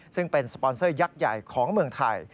ซึ่งเป็นสปอนเซอร์ยักษ์ใหญ่ของเมืองไทย